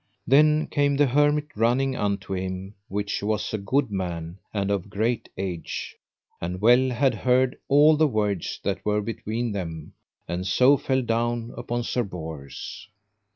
Then came the hermit running unto him, which was a good man and of great age, and well had heard all the words that were between them, and so fell down upon Sir Bors.